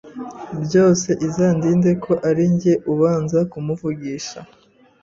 byose izandinde ko ari njye uzabanza kumuvugisha